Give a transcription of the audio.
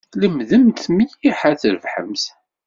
Lemdemt mliḥ ad trebḥemt.